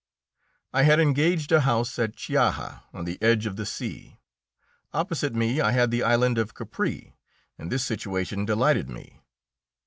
I had engaged a house at Chiaja on the edge of the sea. Opposite me I had the island of Capri, and this situation delighted me.